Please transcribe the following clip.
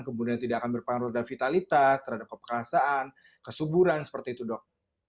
kemudian tidak akan berpengaruh terhadap vitalitas terhadap keperkasaan kesuburan seperti itu dok